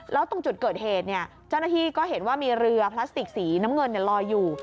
แล้วตรงจุดเกิดเหตุเจ้าหน้าที่ก็เห็นว่ามีเรือพลาสติกสีน้ำเงินลอยอยู่